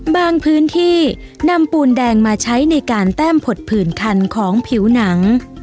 พื้นที่นำปูนแดงมาใช้ในการแต้มผดผื่นคันของผิวหนัง